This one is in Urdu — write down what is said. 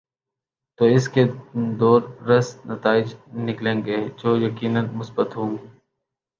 تو اس کے دوررس نتائج نکلیں گے جو یقینا مثبت ہوں۔